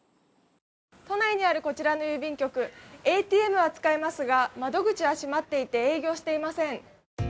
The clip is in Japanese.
都内にあるこちらの郵便局、ＡＴＭは使えますが窓口は閉まっていて、営業はしていません。